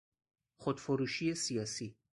خود فروشی سیاسی